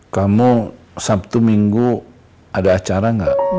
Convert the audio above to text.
kamu sabtu minggu ada acara nggak